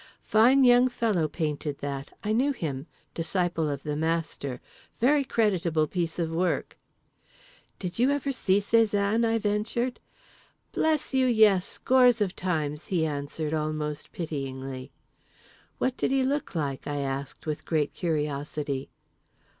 "Fine young fellow painted that. I knew him. Disciple of the master. Very creditable piece of work."—"Did you ever see Cézanne?" I ventured.—"Bless you, yes, scores of times," he answered almost pityingly.—"What did he look like?" I asked, with great curiosity.